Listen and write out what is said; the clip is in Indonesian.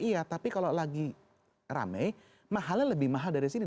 iya tapi kalau lagi rame mahalnya lebih mahal dari sini